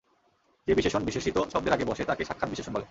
যে বিশেষণ বিশেষিত শব্দের আগে বসে তাকে সাক্ষাৎ বিশেষণ বলে।